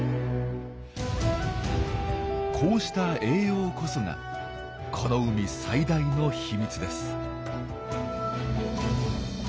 こうした栄養こそがこの海最大の秘密です。